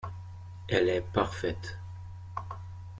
Elle est parfaite.